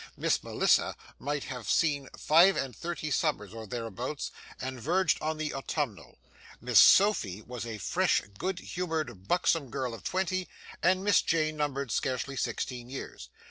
Miss Melissa might have seen five and thirty summers or thereabouts, and verged on the autumnal; Miss Sophy was a fresh, good humoured, buxom girl of twenty; and Miss Jane numbered scarcely sixteen years.